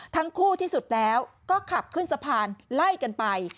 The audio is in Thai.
ที่สุดแล้วก็ขับขึ้นสะพานไล่กันไป